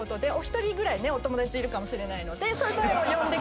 お一人ぐらいお友達いるかもしれないので。